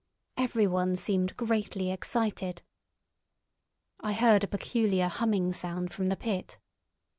Every one seemed greatly excited. I heard a peculiar humming sound from the pit.